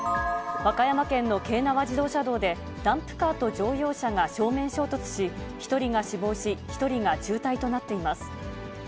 和歌山県の京奈和自動車道で、ダンプカーと乗用車が正面衝突し、１人が死亡し、１人が重体となっています。